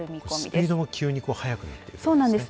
スピードも急に速くなってくるんですね。